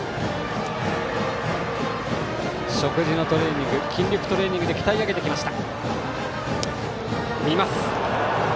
食事のトレーニング筋力トレーニングで鍛え上げてきました。